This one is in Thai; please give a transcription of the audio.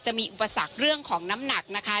อุปสรรคเรื่องของน้ำหนักนะคะ